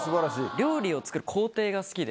料理を作る工程が好きで。